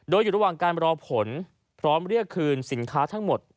โดยอยู่ระหว่างการรอผลพร้อมเรียกคืนสินค้าทั้งหมด